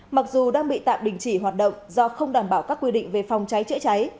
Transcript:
mặc dù đang bị tạm đình chỉ hoạt động do không đảm bảo các quy định về phòng cháy chữa cháy